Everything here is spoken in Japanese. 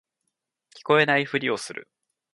聞こえないふりをする